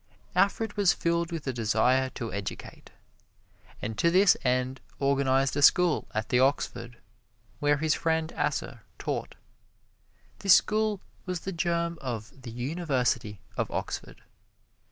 Alfred was filled with a desire to educate, and to this end organized a school at the Ox Ford, where his friend Asser taught. This school was the germ of the University of Oxford.